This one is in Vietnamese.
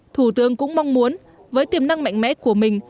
thủ tướng cũng mong muốn với tiềm năng mạnh mẽ của mình